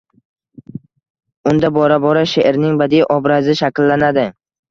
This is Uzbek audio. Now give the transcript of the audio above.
unda bora-bora sheʼrning badiiy obrazi shakllanadi.